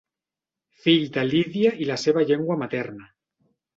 Fill de Lídia i la seva llengua materna.